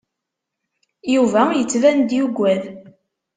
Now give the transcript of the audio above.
Yuba yettban-d yuggad.